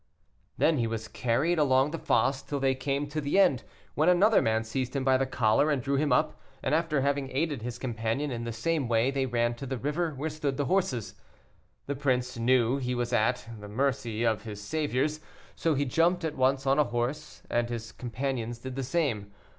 Then he was carried along the fosse till they came to the end, when another man seized him by the collar and drew him up, and after having aided his companion in the same way, they ran to the river, where stood the horses. The prince knew he was at, the mercy of his saviours, so he jumped at once on a horse, and his companions did the same.